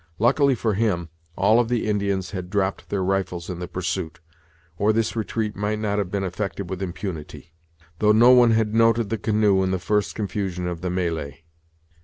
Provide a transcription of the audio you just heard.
Luckily for him, all of the Indians had dropped their rifles in the pursuit, or this retreat might not have been effected with impunity; though no one had noted the canoe in the first confusion of the melee.